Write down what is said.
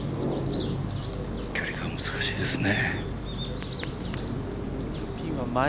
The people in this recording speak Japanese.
距離が難しいですね。